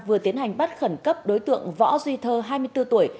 vừa tiến hành bắt khẩn cấp đối tượng võ duy thơ hai mươi bốn tuổi